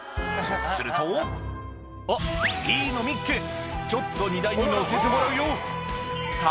すると「あっいいの見っけちょっと荷台に乗せてもらうよ」